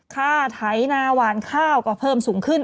ค่าไถนาหวานข้าวก็เพิ่มสูงขึ้น